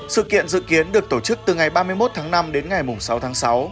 sự kiện dự kiến được tổ chức từ ngày ba mươi một tháng năm đến ngày sáu tháng sáu